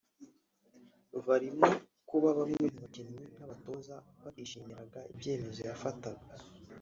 Birimo kuba bamwe mu bakinnyi n’abatoza batishimiraga ibyemezo yafataga